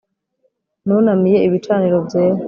nunamiye ibicaniro byera. ...